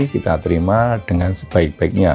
kita terima dengan sebaik baiknya